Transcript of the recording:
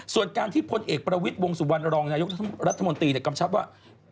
ส่วนการที่พลเอกประวิทย์วงสุวรรณรองนายกรัฐมนตรีกำชับว่า